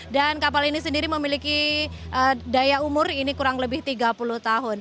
dan kapal ini sendiri memiliki daya umur ini kurang lebih tiga